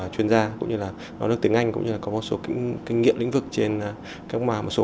chuyên gia cũng như là nói được tiếng anh cũng như là có một số kinh nghiệm lĩnh vực trên một số